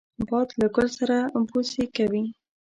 باد له ګل سره بوسې کوي